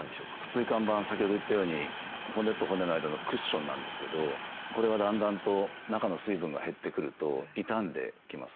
椎間板先ほど言ったように骨と骨の間のクッションなんですけどこれがだんだんと中の水分が減ってくると痛んできます。